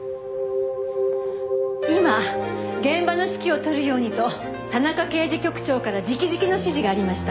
今現場の指揮を執るようにと田中刑事局長から直々の指示がありました。